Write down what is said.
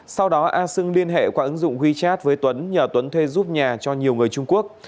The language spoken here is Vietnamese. sau đó a sưng liên hệ qua ứng dụng wechat với tuấn nhờ tuấn thuê giúp nhà cho nhiều người trung quốc